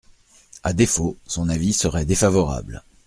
À défaut, son avis serait défavorable.